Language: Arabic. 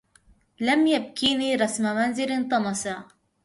لم يبكني رسم منزل طسما